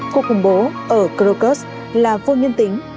cuộc khủng bố ở krokus là vô nhân tính